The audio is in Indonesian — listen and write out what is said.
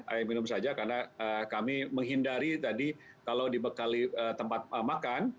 air minum saja karena kami menghindari tadi kalau dibekali tempat makan